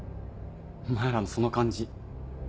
お前らのその感じ。